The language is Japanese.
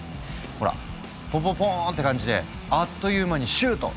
ほらポンポンポーンって感じであっという間にシュート！